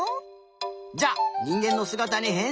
じゃあにんげんのすがたにへんしんだ！